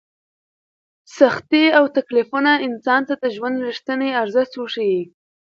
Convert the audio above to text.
سختۍ او تکلیفونه انسان ته د ژوند رښتینی ارزښت وښيي.